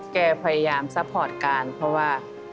แกพยายามซัพพอร์ตการเพราะว่า